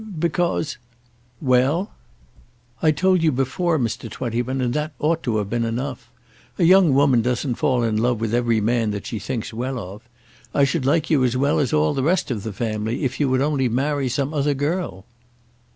"Because " "Well!" "I told you before, Mr. Twentyman, and that ought to have been enough. A young woman doesn't fall in love with every man that she thinks well of. I should like you as well as all the rest of the family if you would only marry some other girl."